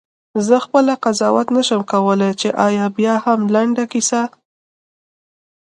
زه خپله قضاوت نه شم کولای چې آیا بیاهم لنډه کیسه.